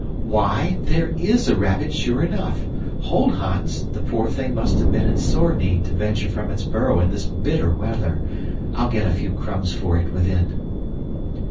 "Why, there IS a rabbit, sure enough. Hold, Hans, the poor thing must have been in sore need to venture from its burrow in this bitter weather. I'll get a few crumbs for it within."